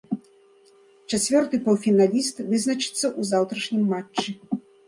Чацвёрты паўфіналіст вызначыцца ў заўтрашнім матчы.